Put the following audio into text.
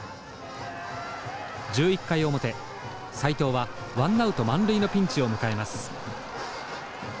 １１回表斎藤はワンナウト満塁のピンチを迎えます。